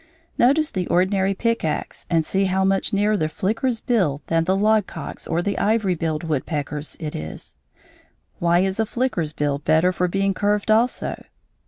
Notice the ordinary pick axe and see how much nearer the flicker's bill than the logcock's or the ivory billed woodpecker's it is. Why is a flicker's bill better for being curved also?